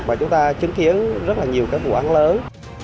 và chúng ta chứng kiến rất nhiều vụ án lớn